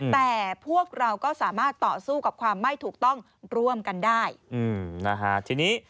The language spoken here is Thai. แต่พวกเราก็สามารถต่อสู้กับความไม่ถูกต้องร่วมกันได้นะฮะทีนี้